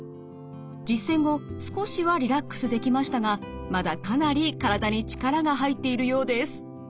実践後少しはリラックスできましたがまだかなり体に力が入っているようです。